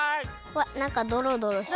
わっなんかドロドロしてる。